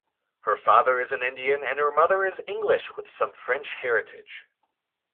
Her father is Indian and her mother is English with some French heritage.